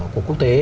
của quốc tế